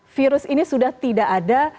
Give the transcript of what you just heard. virus ini sudah tidak ada